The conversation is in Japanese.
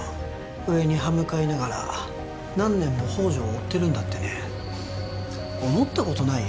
上に刃向かいながら何年も宝条を追ってるんだってね思ったことない？